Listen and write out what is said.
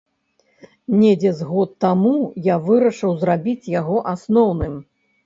Недзе з год таму я вырашыў зрабіць яго асноўным.